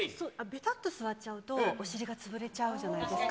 べたっと座っちゃうと、お尻が潰れちゃうじゃないですか。